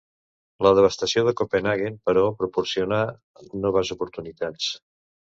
La devastació de Copenhaguen, però, proporcionà noves oportunitats.